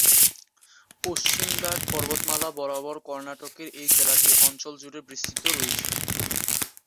পশ্চিমঘাট পর্বতমালা বরাবর কর্ণাটকের এই জেলাটি অঞ্চল জুড়ে বিস্তৃত রয়েছে।